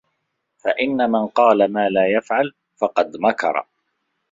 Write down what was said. فَإِنَّ مَنْ قَالَ مَا لَا يَفْعَلُ فَقَدْ مَكَرَ